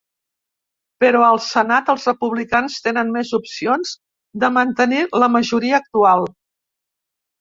Però al senat els republicans tenen més opcions de mantenir la majoria actual.